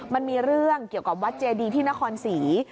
มันมีเรื่องเกี่ยวกับวัดเจดีที่นครศรี